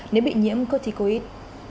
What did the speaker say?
nếu bị nhiễm corticoid